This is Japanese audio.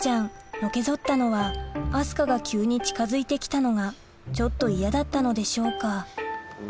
のけ反ったのは明日香が急に近づいて来たのがちょっと嫌だったのでしょうか？